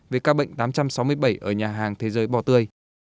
về ca bệnh tám trăm sáu mươi bảy ở nhà hàng thế giới bò tươi